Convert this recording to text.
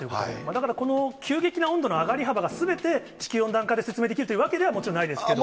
だから、急激な温度の上がり幅が、すべて地球温暖化ですべて説明できるわけではないですけれども。